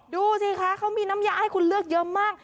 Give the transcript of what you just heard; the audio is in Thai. ดูสิคะเขามีน้ำยาให้คุณเลือกเยอะมาก